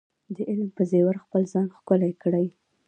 د علم په زیور خپل ځان ښکلی کړئ.